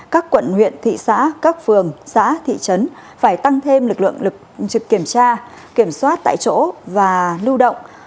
các quận huyện thị xã các phường xã thị trấn phải tăng thêm lực lượng lực trực kiểm tra kiểm soát tại chỗ và lưu động